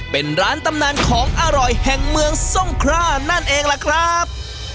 เป็นร้านตำนานของอร่อยแห่งเมืองทรงคร่านั่นเองล่ะครับ